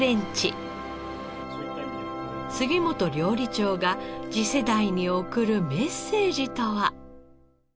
杉本料理長が次世代に送るメッセージとは？